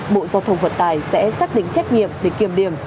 bộ giao thông vận tải sẽ xác định trách nhiệm để kiểm điểm